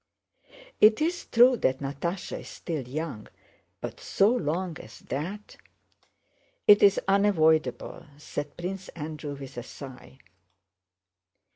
"It is true that Natásha is still young, but—so long as that?..." "It is unavoidable," said Prince Andrew with a sigh.